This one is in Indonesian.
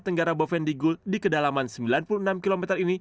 tenggara bovendigul di kedalaman sembilan puluh enam km ini